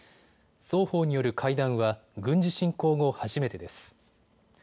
双方による会談は軍事侵攻後初めてです。